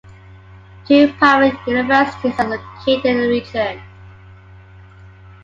Two private universities are located in the region.